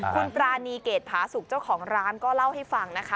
คุณปรานีเกรดผาสุกเจ้าของร้านก็เล่าให้ฟังนะคะ